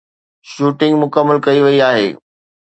shooting مڪمل ڪئي وئي آهي